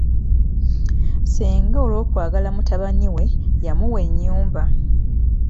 Ssenga olw'okwagala mutabani we yamuwa ennyumba.